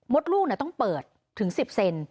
มดลูกเนี่ยต้องเปิดถึง๑๐เซน